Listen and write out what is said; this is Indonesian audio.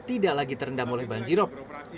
tidak lagi terendam oleh banjirop